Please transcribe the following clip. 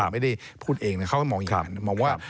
ไม่ได้พูดเองนะเขาก็มองอย่างงั้น